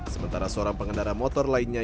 sementara seorang pengendara motor lainnya